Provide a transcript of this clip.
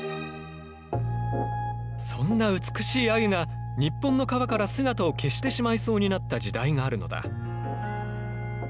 そんな美しいアユが日本の川から姿を消してしまいそうになった時代があるのだ。